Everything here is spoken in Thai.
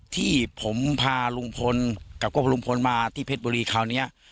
ที่ผมพาลุงพลกับพวกลุงพลมาที่เพชรบุรีคราวนี้